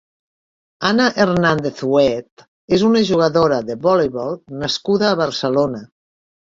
Ana Hernández Huet és una jugadora de voleibol nascuda a Barcelona.